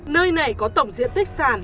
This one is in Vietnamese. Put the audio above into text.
nơi này có tổng diện tích sản